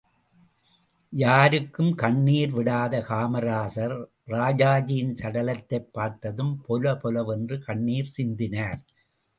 யாருக்கும் கண்ணீர் விடாத காமராசர், ராஜாஜியின் சடலத்தைப் பார்த்ததும் பொல பொல வென்று கண்ணீர் சிந்தினார்.